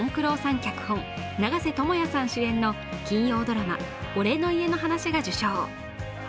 脚本長瀬智也さん主演の金曜ドラマ「俺の家の話」が受賞。